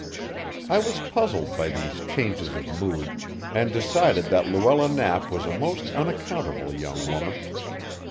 I was puzzled by these changes of mood, and decided that Luella Knapp was a most unaccountable young woman.